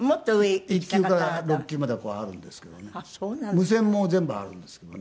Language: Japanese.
無線も全部あるんですけどね。